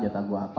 jatah gue apa